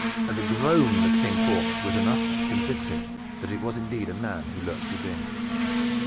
The groan that came forth was enough to convince him that it was indeed a man who lurked within.